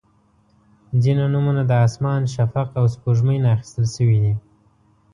• ځینې نومونه د اسمان، شفق، او سپوږمۍ نه اخیستل شوي دي.